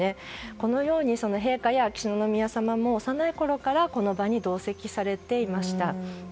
このように陛下や秋篠宮さまも幼いころからこの場に同席されていました。